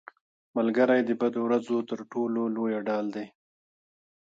ملګری د بدو ورځو تر ټولو لویه ډال دی